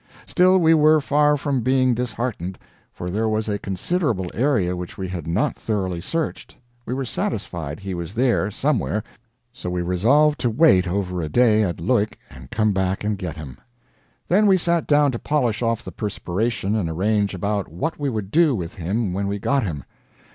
Still, we were far from being disheartened, for there was a considerable area which we had not thoroughly searched; we were satisfied he was there, somewhere, so we resolved to wait over a day at Leuk and come back and get him. Then we sat down to polish off the perspiration and arrange about what we would do with him when we got him.